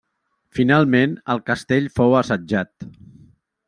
Finalment el castell fou assetjat.